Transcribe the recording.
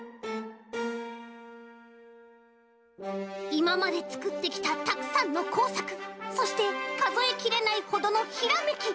いままでつくってきたたくさんのこうさくそしてかぞえきれないほどのひらめき。